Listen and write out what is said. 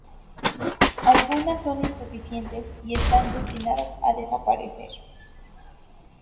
Algunas son insuficientes y están destinadas a desaparecer.